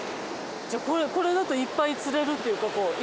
じゃあこれだといっぱい釣れるというかこう。